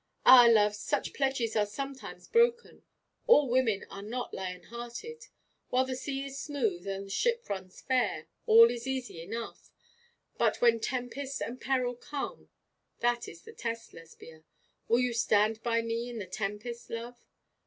'Ah, love, such pledges are sometimes broken. All women are not lion hearted. While the sea is smooth and the ship runs fair, all is easy enough; but when tempest and peril come that is the test, Lesbia. Will you stand by me in the tempest, love?'